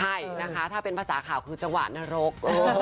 ใช่นะคะถ้าเป็นภาษาข่าวคือจังหวะนรก